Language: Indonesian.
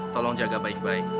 tolong jaga baik baik